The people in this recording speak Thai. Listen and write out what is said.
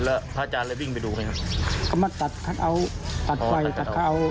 แล้วพระอาจารย์เลยวิ่งไปดูไหมครับก็มาตัดท่านเอาตัดไฟตัดเขา